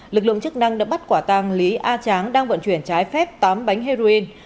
lực lượng chức năng đã bắt quả tang lý a tráng đang vận chuyển trái phép tám bánh heroin